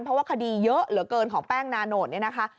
เพราะว่าคดีเยอะเหลือเกินของแป้งนาโนดเนี่ยนะคะ